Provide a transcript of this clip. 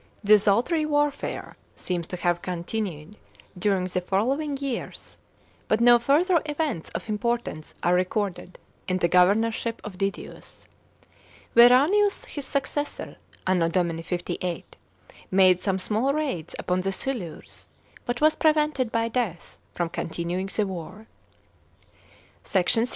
Desultory warfare seems to have con tinued during the following years, but no further events of import ance are recorded in the governorship of Didius. Veranius his successor (A.D. 58) made some small raids upon the Silures, but was prevented by deaih from continuing the war. SECT. III.